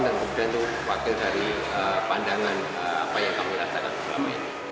dan kemudian wakil dari pandangan apa yang kami rasakan selama ini